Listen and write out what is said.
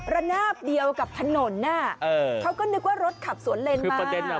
ระนาบเดียวกับถนนน่ะเออเขาก็นึกว่ารถขับสวนเลนมาคือประเด็นอ่ะ